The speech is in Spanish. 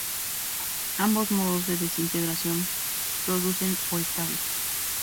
Ambos modos de desintegración producen O estable.